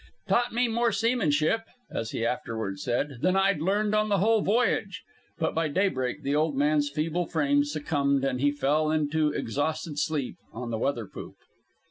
"Taught me more seamanship," as he afterward said, "than I'd learned on the whole voyage." But by daybreak the old man's feeble frame succumbed, and he fell off into exhausted sleep on the weather poop.